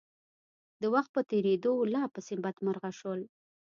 د وخت په تېرېدو لا پسې بدمرغه شول.